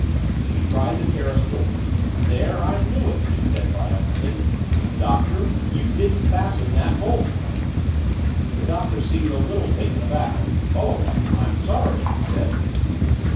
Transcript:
She tried the terrace door. "There, I knew it!" she said triumphantly. "Doctor you didn't fasten that bolt!" The Doctor seemed a little taken aback. "Oh I'm sorry " he said.